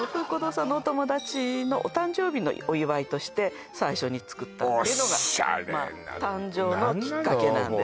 さんのお友達のお誕生日のお祝いとして最初に作ったっていうのがオシャレな誕生のきっかけなんです